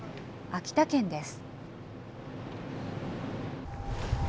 秋田県です。